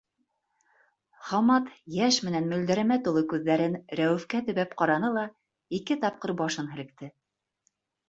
Хаммат йәш менән мөлдөрәмә тулы күҙҙәрен Рәүефкә төбәп ҡараны ла, ике тапҡыр башын һелкте.